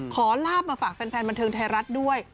ลาบมาฝากแฟนบันเทิงไทยรัฐด้วย